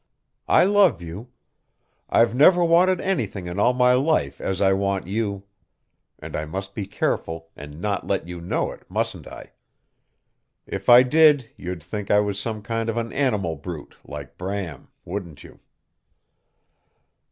I love you. I've never wanted anything in all my life as I want you. And I must be careful and not let you know it, mustn't I? If I did you'd think I was some kind of an animal brute like Bram. Wouldn't you?"